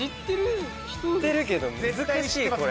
知ってるけど難しいこれ。